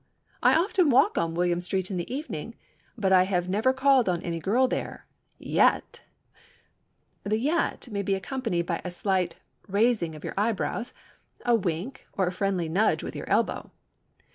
I often walk on William Street in the evening, but I have never called on any girl there—yet." The "yet" may be accompanied by a slight raising of your eyebrows, a wink, or a friendly nudge with your elbow.